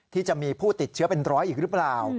ที่จะมีผู้ติดเชื้อเป็นร้อยอีกหรือเปล่า